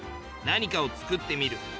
「何かを作ってみる」